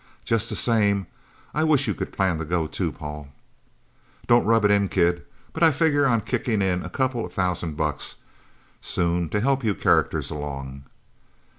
Just the same, I wish you could plan to go, too, Paul." "Don't rub it in, kid. But I figure on kicking in a couple of thousand bucks, soon, to help you characters along."